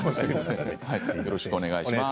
よろしくお願いします。